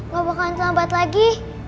gak bakalan terlambat lagi